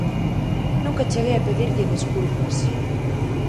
Nunca cheguei a pedirlle desculpas.